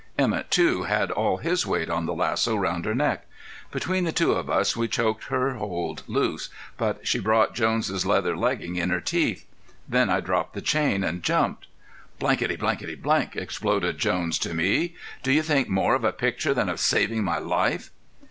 Emett, too, had all his weight on the lasso round her neck. Between the two of us we choked her hold loose, but she brought Jones' leather leggin in her teeth. Then I dropped the chain and jumped. "!" exploded Jones to me. "Do you think more of a picture than of saving my life?"